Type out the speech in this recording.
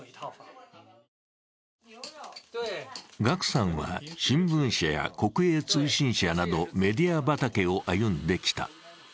岳さんは新聞社や国営通信社などメディア畑を歩んできた。